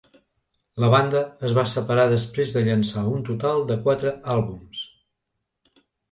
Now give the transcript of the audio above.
La banda es va separar després de llançar un total de quatre àlbums.